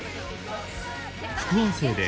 副音声で＃